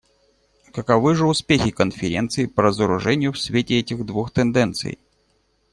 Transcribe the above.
Каковы же успехи Конференции по разоружению в свете этих двух тенденций?